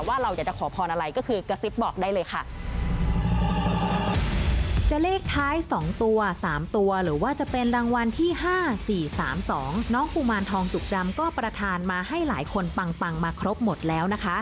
ว่าเราอยากจะขอพรอะไรก็คือกระซิบบอกได้เลยค่ะ